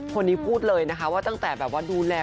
คนนี้พูดเลยนะคะว่าตั้งแต่ดูแล